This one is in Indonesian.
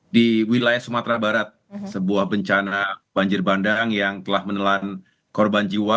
di wilayah sumatera barat sebuah bencana banjir bandang yang telah menelan korban jiwa